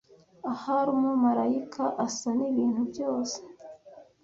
Ahari umumarayika asa nibintu byose